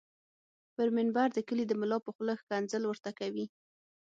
پر منبر د کلي دملا په خوله ښکنځل ورته کوي